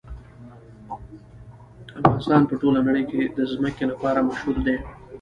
افغانستان په ټوله نړۍ کې د ځمکه لپاره مشهور دی.